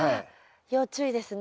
要注意ですね。